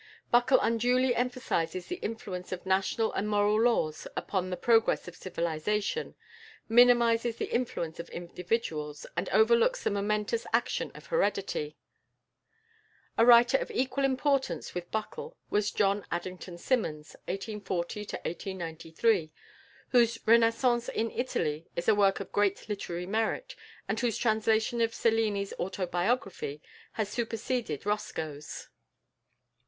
Buckle unduly emphasises the influence of national and moral laws upon the progress of civilisation, minimises the influence of individuals, and overlooks the momentous action of heredity. A writer of equal importance with Buckle was =John Addington Symonds (1840 1893)=, whose "Renaissance in Italy" is a work of great literary merit, and whose translation of Cellini's "Autobiography" has superseded Roscoe's.